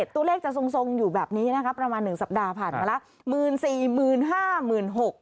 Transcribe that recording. ตัวเลขจะทรงอยู่แบบนี้นะคะประมาณ๑สัปดาห์ผ่านมาแล้ว